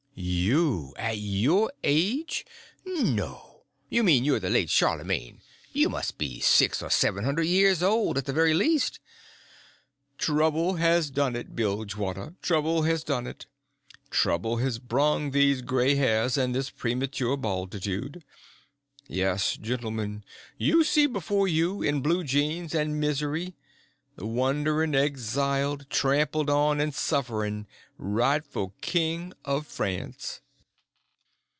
"You! At your age! No! You mean you're the late Charlemagne; you must be six or seven hundred years old, at the very least." "Trouble has done it, Bilgewater, trouble has done it; trouble has brung these gray hairs and this premature balditude. Yes, gentlemen, you see before you, in blue jeans and misery, the wanderin', exiled, trampled on, and sufferin' rightful King of France."